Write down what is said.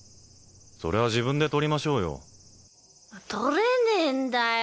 それは自分で取りましょうよ取れねえんだよ